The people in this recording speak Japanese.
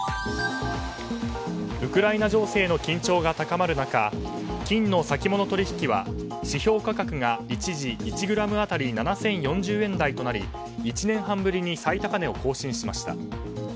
ウクライナ情勢の緊張が高まる中金の先物取引は指標価格が一時１ｇ当たり７０４０円台となり１年半ぶりに最高値を更新しました。